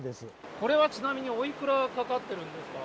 これはちなみに、おいくらかかってるんですか？